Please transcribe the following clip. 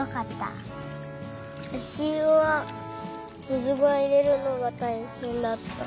あしゆは水をいれるのがたいへんだった。